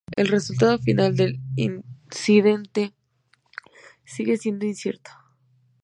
El resultado final del incidente sigue siendo incierto.